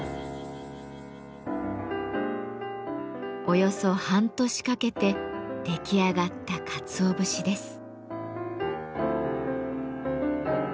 およそ半年かけて出来上がったかつお節です。